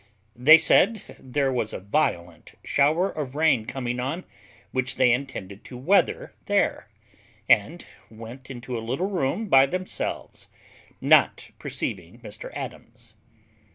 They said there was a violent shower of rain coming on, which they intended to weather there, and went into a little room by themselves, not perceiving Mr Adams.